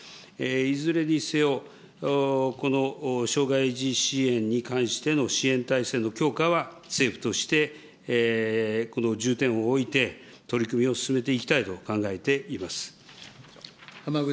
いずれにせよ、この障害児支援に関しての支援体制の強化は、政府として、重点を置いて、取り組みを進めていきたいと考えています。